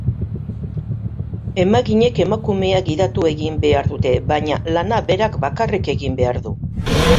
Emaginek emakumea gidatu egin behar dute baina lana berak bakarrik egin behar du.